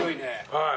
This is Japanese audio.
はい。